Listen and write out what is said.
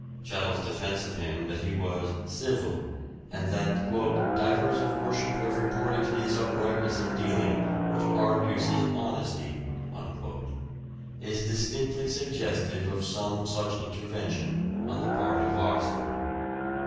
Chettle's defence of him that he was " civil " and that " divers of worship have reported his uprightness in dealing, which argues his honesty," is distinctly suggestive of some such intervention on the part of Oxford.